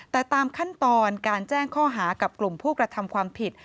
แต่ตามขั้นตอนการแจ้งข้อหากับกลุ่มผู้กระทำความผิด